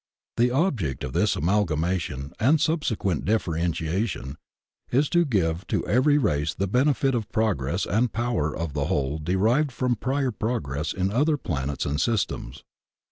The object of this amalgamation and subsequent dif ferentiation is to give to every race the benefit of the progress and power of the whole derived from prior progress in other planets and systems.